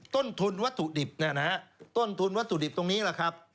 ต้นทุนวัตถุดิบนะฮะต้นทุนวัตถุดิบตรงนี้แหละครับ